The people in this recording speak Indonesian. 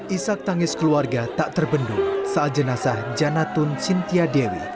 isak tangis keluarga tak terbendung saat jenazah janatun sintiadewi